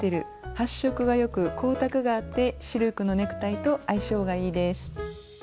発色がよく光沢があってシルクのネクタイと相性がいいです。